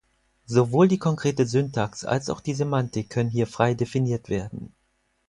Sowohl die konkrete Syntax als auch die Semantik können hier frei definiert werden.